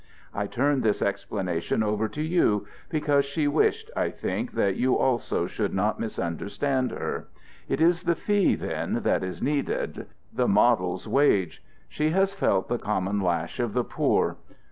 I turn this explanation over to you because she wished, I think, that you also should not misunderstand her. It is the fee, then, that is needed, the model's wage; she has felt the common lash of the poor.